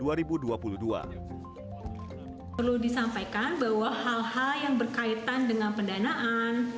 perlu disampaikan bahwa hal hal yang berkaitan dengan pendanaan